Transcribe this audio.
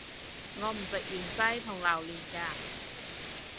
我唔食芫茜同榴連架